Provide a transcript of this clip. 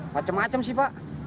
macem macem sih pak